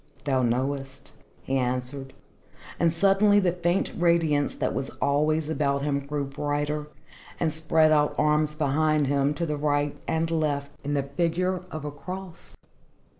"Thou knowest," he answered. And suddenly the faint radiance that was always about him grew brighter, and spread out arms behind him, to the right and left, in the figure of a cross.